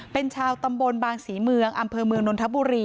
เป็นชาวตำบลบางศรีเมืองอำเภอเมืองนนทบุรี